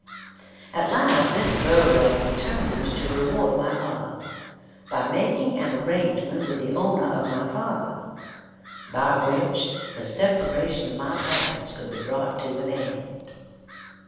At last Mr. Burwell determined to reward my mother, by making an arrangement with the owner of my father, by which the separation of my parents could be brought to an end.